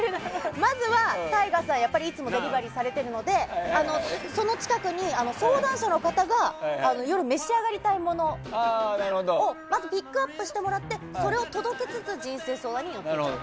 まずはＴＡＩＧＡさんいつもデリバリーされているのでその近くにいる相談者の方が夜、召し上がりたいものをまずピックアップしてもらってそれを届けつつ人生相談に乗ってもらうと。